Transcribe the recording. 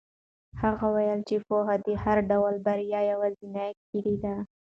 هغه وویل چې پوهه د هر ډول بریا یوازینۍ کیلي ده.